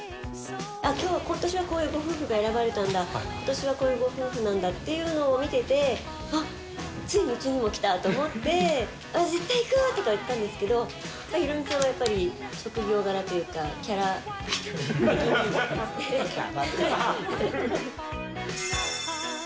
きょう、ことしはこういうご夫婦が選ばれたんだ、ことしはこういうご夫婦なんだっていうのを見てて、あっ、ついにうちにも来たと思って、絶対行くとか言ったんですけど、ヒロミさんはやっぱり、職業柄というか、キャラ的に。